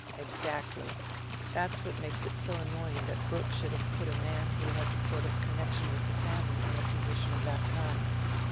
"Exactly: that makes it so annoying that Brooke should have put a man who has a sort of connection with the family in a position of that kind.